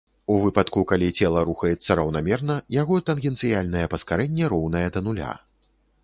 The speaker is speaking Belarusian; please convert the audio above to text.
У выпадку, калі цела рухаецца раўнамерна, яго тангенцыяльнае паскарэнне роўнае да нуля.